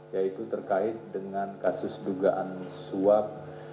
yaitu terkait dengan kasus dugaan suap